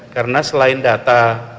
karena selain data